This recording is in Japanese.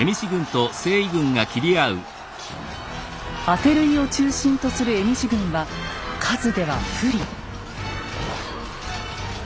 阿弖流為を中心とする蝦夷軍は数では不利。